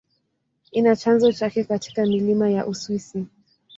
Ina chanzo chake katika milima ya Uswisi.